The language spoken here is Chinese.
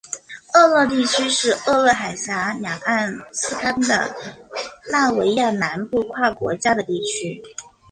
厄勒地区是厄勒海峡两岸斯堪的纳维亚南部跨国家的地区。